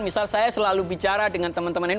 misal saya selalu bicara dengan temen temen ini